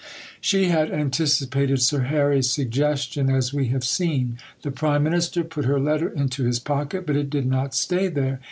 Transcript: She had anticipated Sir Harry's suggestion, as we have seen. The Prime Minister put her letter into his pocket, but it did not stay there.